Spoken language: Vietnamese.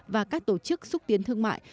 và các tổ chức xúc tiến thương mại